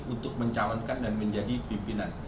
untuk mencalonkan dan menjadi pimpinan